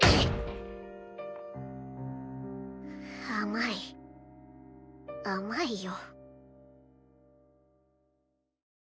甘い甘いよ。